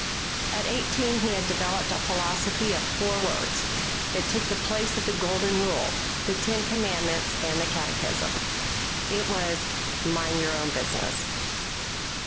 At eighteen he had developed a philosophy of four words. It took the place of the Golden Rule, the Ten Commandments, and the Catechism. It was: "Mind your own business."